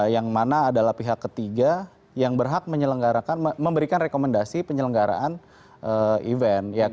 yang mana adalah pihak ketiga yang berhak memberikan rekomendasi penyelenggaraan event